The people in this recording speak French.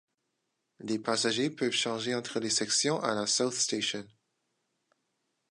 Les passagers peuvent changer entre les sections à la South Station.